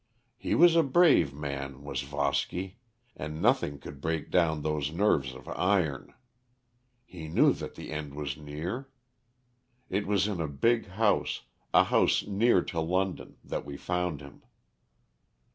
"He was a brave man was Voski, and nothing could break down those nerves of iron. He knew that the end was near. It was in a big house a house near to London that we found him.